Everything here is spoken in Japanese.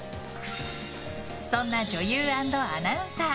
そんな女優＆アナウンサー